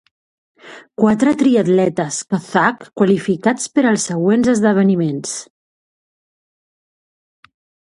Quatre triatletes kazakh qualificats per als següents esdeveniments.